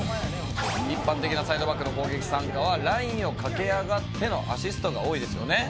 一般的なサイドバックの攻撃参加はラインを駆け上がってのアシストが多いですよね。